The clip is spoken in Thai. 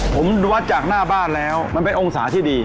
ผมวัดจากหน้าบ้านแล้วมันเป็นองศาที่ดี